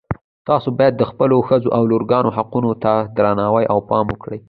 تاسو باید د خپلو ښځو او لورګانو حقونو ته درناوی او پام وکړئ